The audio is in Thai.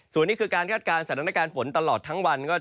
ส่วนนี้คือการคาดการณ์สถานการณ์ฝนตลอดทั้งวัน